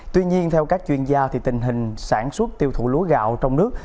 tuy nhiên theo các chuyên gia tình hình sản xuất tiêu thụ lúa gạo trong nước